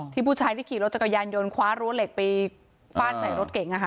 ผู้ชายที่ขี่รถจักรยานยนต์คว้ารั้วเหล็กไปฟาดใส่รถเก๋ง